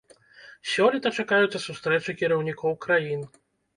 Сёлета чакаюцца сустрэчы кіраўнікоў краін.